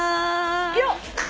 よっ！